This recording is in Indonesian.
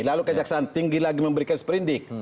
lalu kejaksaan tinggi lagi memberikan seperindik